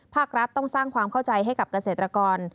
ภาครัฐต้องสร้างความเข้าใจให้กับเกษตรกร